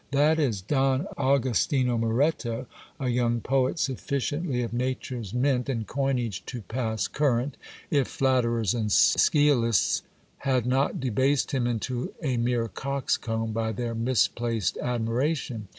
That is Don Au gustino Moreto, a young poet sufficiently of nature's mint and coinage to pass current, if flatterers and sciolists had not debased him into a mere coxcomb by their misplaced admiration.